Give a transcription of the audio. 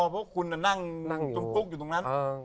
เพราะคุณนั่งจมตุ๊กอยู่ตรงนั้น